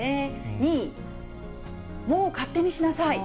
２位、もう勝手にしなさい。